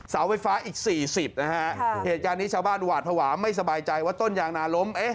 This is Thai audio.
เสาไฟฟ้าอีก๔๐นะฮะเหตุการณ์นี้ชาวบ้านหวาดภาวะไม่สบายใจว่าต้นยางนาล้ม